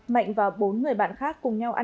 tại phòng trọ số một thuộc dạy phòng